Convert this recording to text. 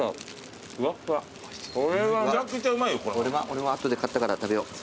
俺も後で買ったから食べよう。